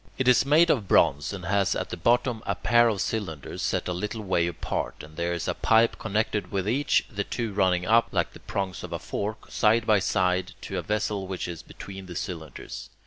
It is made of bronze, and has at the bottom a pair of cylinders set a little way apart, and there is a pipe connected with each, the two running up, like the prongs of a fork, side by side to a vessel which is between the cylinders.